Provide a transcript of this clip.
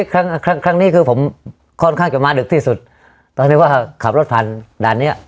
ครั้งครั้งนี้คือผมค่อนข้างจะมาดึกที่สุดตอนที่ว่าขับรถผ่านด่านเนี้ย